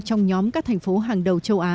trong nhóm các thành phố hàng đầu châu á